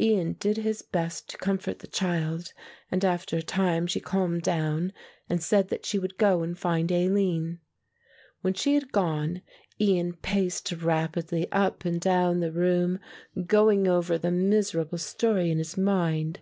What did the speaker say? Ian did his best to comfort the child and after a time she calmed down and said that she would go and find Aline. When she had gone Ian paced rapidly up and down the room, going over the miserable story in his mind.